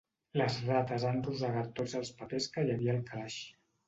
Les rates han rosegat tots els papers que hi havia al calaix.